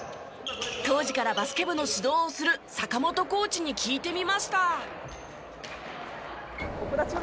当時からバスケ部の指導をする坂本コーチに聞いてみました。